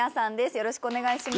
よろしくお願いします。